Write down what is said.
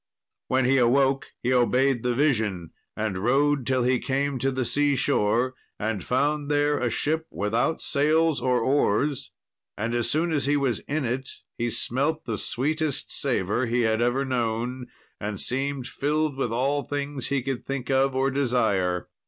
When he awoke he obeyed the vision, and rode till he came to the sea shore, and found there a ship without sails or oars, and as soon as he was in it he smelt the sweetest savour he had ever known, and seemed filled with all things he could think of or desire.